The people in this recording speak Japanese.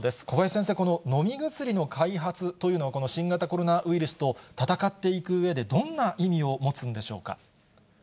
小林先生、この飲み薬の開発というのは、この新型コロナウイルスと闘っていくうえで、どんな意味を持つんでしょうか。